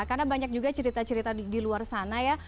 karena banyak juga cerita cerita di luar sana ya